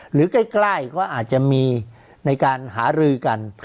หรือใกล้ก็อาจจะมีในการหารือกัน